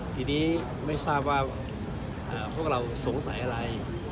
ทีนี้ไม่ทราบว่าพวกเราสงสัยอะไร